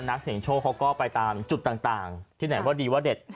นักเสียงโชคเขาก็ไปตามจุดต่างที่ไหนว่าดีว่าเด็ด